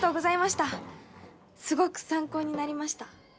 すごく参考になりました